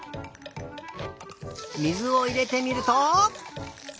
水をいれてみると。